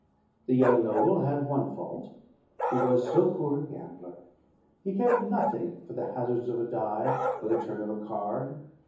The young noble had one fault, he was so poor a gambler. He cared nothing for the hazards of a die or the turn of a card.